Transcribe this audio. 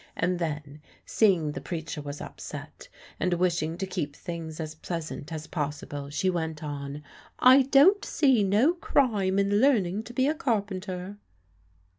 And then, seeing the preacher was upset, and wishing to keep things as pleasant as possible, she went on, "I don't see no crime in learning to be a carpenter."